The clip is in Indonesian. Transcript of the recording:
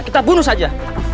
kita bunuh saja